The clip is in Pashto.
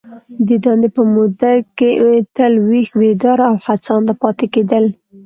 د دندي په موده کي تل ویښ ، بیداره او هڅانده پاته کیدل.